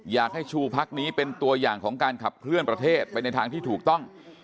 อยากให้ชูพักนี้เป็นตัวอย่างของการขับเคลื่อนประเทศไปในทางที่ถูกต้อง